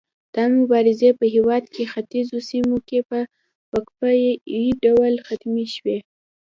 دا مبارزې په هیواد په ختیځو سیمو کې په وقفه يي ډول ختمې شوې.